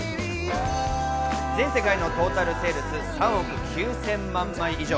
全世界のトータルセールス３億９０００万枚以上。